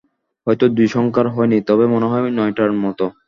হয়ত দুই সংখ্যার হয়নি, তবে মনে হয় নয়টার মত।